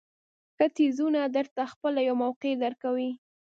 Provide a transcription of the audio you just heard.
ښه څیزونه درته خپله یوه موقع درکوي.